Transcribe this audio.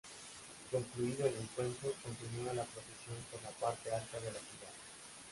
Concluido el Encuentro, continúa la procesión por la parte alta de la Ciudad.